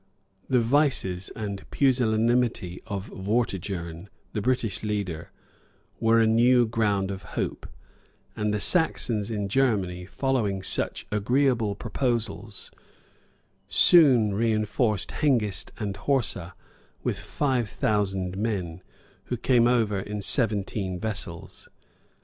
[] The vices, and pusillanimity of Vortigern, the British leader, were a new ground of hope; and the Saxons in Germany, following such agreeable prospects, soon reënforced Hengist and Horsa with five thousand men, who came over in seventeen vessels.